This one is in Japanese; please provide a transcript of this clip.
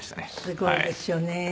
すごいですよね。